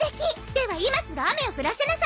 では今すぐ雨を降らせなさい